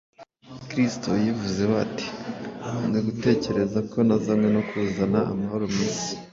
Kristo yivuzeho ati: ” Mwe gutekereza ko nazanywe no kuzana amahoro mu isi: